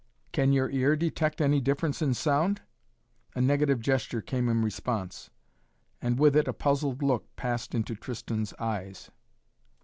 "Can your ear detect any difference in sound?" A negative gesture came in response, and with it a puzzled look passed into Tristan's eyes.